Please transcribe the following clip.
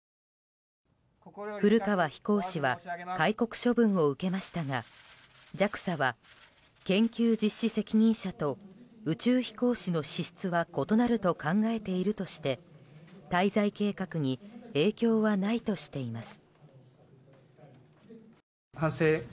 古川飛行士は戒告処分を受けましたがＪＡＸＡは研究実施責任者と宇宙飛行士の資質は異なると考えているとして滞在計画に影響はないとしています。